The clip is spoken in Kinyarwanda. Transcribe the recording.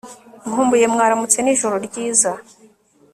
nkumbuye mwaramutse na ijoro ryiza